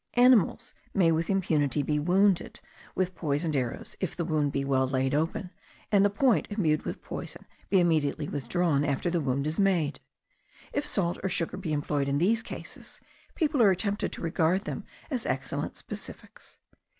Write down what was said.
Animals may with impunity be wounded with poisoned arrows, if the wound be well laid open, and the point imbued with poison be withdrawn immediately after the wound is made. If salt or sugar be employed in these cases, people are tempted to regard them as excellent specifics.